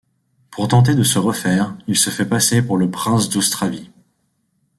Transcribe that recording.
Pour tenter de se refaire, il se fait passer pour le prince d'Austravie.